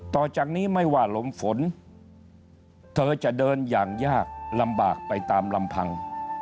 ต่อจากนี้ไม่ว่าลมฝนเธอจะเดินอย่างยากลำบากไปตามลำพัง